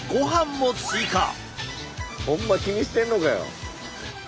ホンマ気にしてんのかよ？